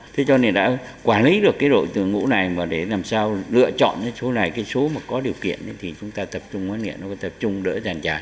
thế cho nên đã quản lý được cái đội tường ngũ này và để làm sao lựa chọn cái số này cái số mà có điều kiện thì chúng ta tập trung huấn luyện tập trung đỡ giàn trải